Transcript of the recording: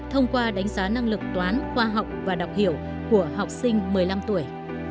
thông qua đánh giá năng lực toán khoa học và đọc hiểu của học sinh một mươi năm tuổi